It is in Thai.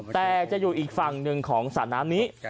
แต่จะอยู่อีกฝั่งหนึ่งของสระน้ำนี้